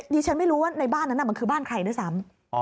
ดิฉันไม่รู้ว่าในบ้านนั้นมันคือบ้านใครด้วยซ้ำ